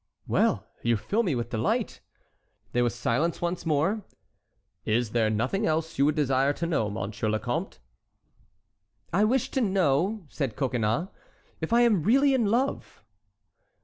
"Well, you fill me with delight." There was silence once more. "Is there nothing else you would desire to know, M. le Comte?" "I wish to know," said Coconnas, "if I am really in love?"